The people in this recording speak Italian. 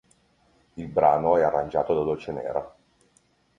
Il brano è arrangiato da Dolcenera.